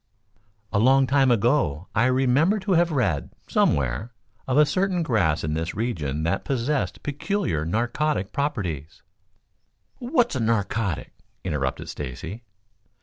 "A long time ago I remember to have read, somewhere, of a certain grass in this region that possessed peculiar narcotic properties " "What's narcotic?" interrupted Stacy.